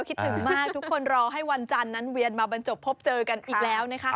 คิดถึงมากทุกคนรอให้วันจันทร์นั้นเวียนมาบรรจบพบเจอกันอีกแล้วนะคะ